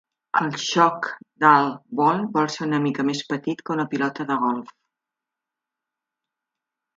El chokladboll sol ser una mica més petit que una pilota de golf.